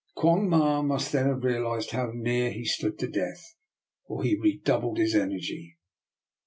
Quong Ma must then have realized how near he stood to death, for he redoubled his en ergy.